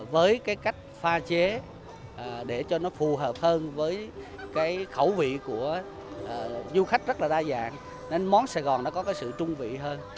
với khẩu vị của du khách rất là đa dạng nên món sài gòn đã có sự trung vị hơn